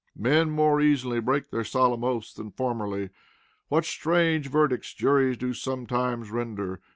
Men more easily break their solemn oaths than formerly. What strange verdicts juries do sometimes render!